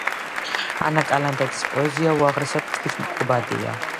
ანა კალანდაძის პოეზია უაღესად თვითმყოფადია.